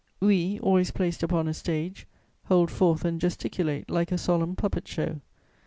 We, always placed upon a stage, hold forth and gesticulate like a solemn puppet show.